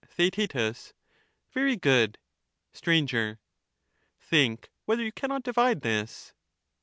TheaeU Very good. Str. Think whether you cannot divide this.